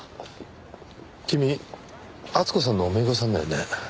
君厚子さんの姪御さんだよね。